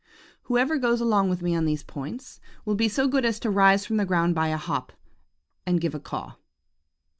"Whoever goes along with me on these points, will be so good as to rise from the ground by a hop, and give a caw. .